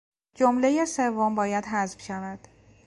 جملهی سوم باید حذف شود.